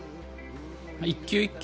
１球１球